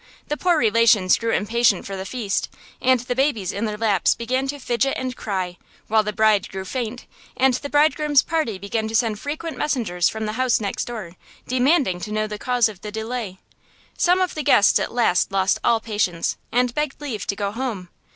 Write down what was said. The poor relations grew impatient for the feast, and the babies in their laps began to fidget and cry; while the bride grew faint, and the bridegroom's party began to send frequent messengers from the house next door, demanding to know the cause of the delay. Some of the guests at last lost all patience, and begged leave to go home.